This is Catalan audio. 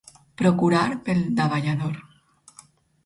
Procurar pel davallador.